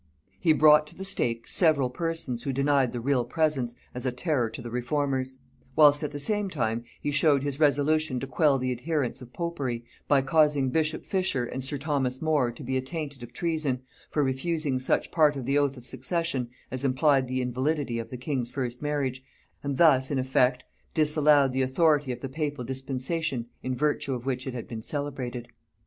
He brought to the stake several persons who denied the real presence, as a terror to the reformers; whilst at the same time he showed his resolution to quell the adherents of popery, by causing bishop Fisher and sir Thomas More to be attainted of treason, for refusing such part of the oath of succession as implied the invalidity of the king's first marriage, and thus, in effect, disallowed the authority of the papal dispensation in virtue of which it had been celebrated.